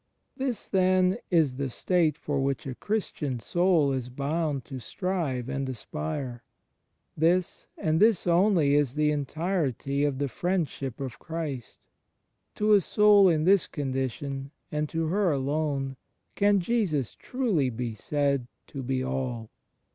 ... This, then, is the state for which a Christian soul is bound to strive and aspire. This and this only is the entirety of the Friendship of Christ; to a soul in this condition, and to her alone, can Jesus truly be said to be All.